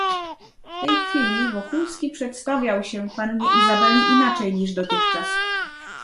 "W tej chwili Wokulski przedstawiał się pannie Izabeli inaczej niż dotychczas."